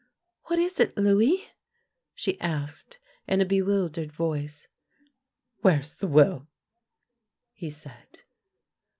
" What is it, Louis? " she asked, in a bewildered voice. " Where is the will? " he said.